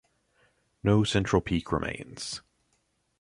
No central peak remains.